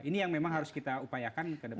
ini yang memang harus kita upayakan ke depan